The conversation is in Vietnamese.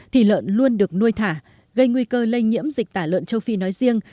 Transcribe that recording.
thịt lợn luôn được nuôi thả gây nguy cơ lây nhiễm dịch tả lợn châu phi nói riêng